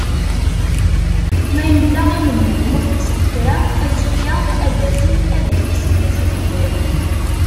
Ma yella i menhu umi tekseḍ kra, azekka ad d-asen ad ak-ksen d acu tewwiḍ.